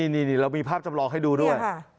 นี่เรามีภาพจำลองให้ดูด้วย